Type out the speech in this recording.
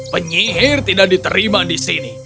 penyihir tidak diterima di sini